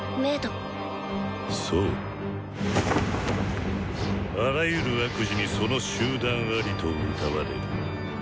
「そう『あらゆる悪事にその集団あり』とうたわれる」。